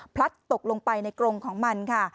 พลัดตกลงไปในกรงของมันค่ะ